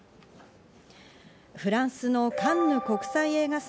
フランスのカンヌ国際映画祭